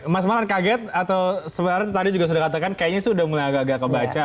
mas malang kaget atau sebenarnya tadi juga sudah katakan kayaknya sudah mulai agak agak kebaca